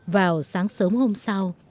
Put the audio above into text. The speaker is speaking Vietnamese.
vào sáng sớm hôm sau